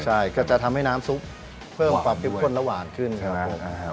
ใช่ก็จะทำให้น้ำซุปเพิ่มความเข้มข้นและหวานขึ้นครับผม